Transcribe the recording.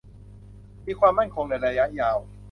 มีความมั่นคงในระยะยาว